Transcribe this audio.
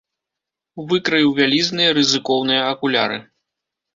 Выкраіў вялізныя, рызыкоўныя акуляры.